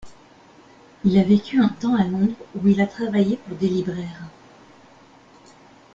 Il a vécu un temps à Londres, où il a travaillé pour des libraires.